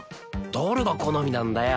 誰が好みなんだよ？